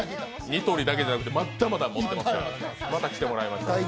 ニトリだけじゃなくてまだまだ持ってますからまた来てもらいましょう。